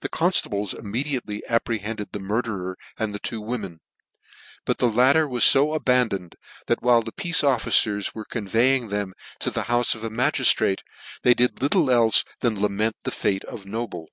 The conftables immediately apprehended the murderer and the two women; but the latter were fo aban doned, that while the pea. e officers were convey ing them to the houfe of a magistrate, they did little elfe than lament the fate or Noble.